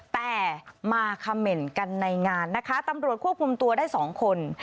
แต่มาคำเมนต์กันในงานนะคะตำรวจควบคุมตัวได้สองคน